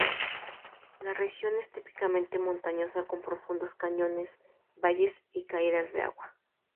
La región es típicamente montañosa con profundos cañones, valles y caídas de agua.